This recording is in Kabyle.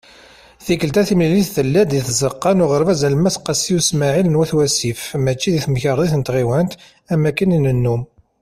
Tikelt-a, timlilit tella-d deg Tzeqqa n Uɣerbaz Alemmas "Qasi Usmaɛil" n At Wasif mačči deg Temkarḍit n Tɣiwant am wakken i nennum.